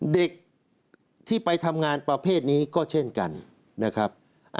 เด็กที่ไปทำงานประเภทนี้ก็เช่นกันนะครับ